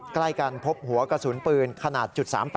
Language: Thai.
ใกล้กันพบหัวกระสุนปืนขนาด๓๘